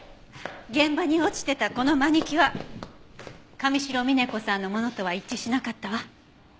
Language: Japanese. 現場に落ちてたこのマニキュア神城峰子さんのものとは一致しなかったわ。